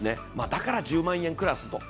だから１０万円クラスと。